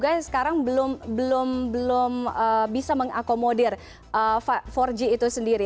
jangan lupa ya sekarang belum bisa mengakomodir empat g itu sendiri